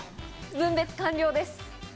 分別完了です。